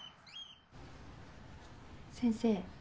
先生。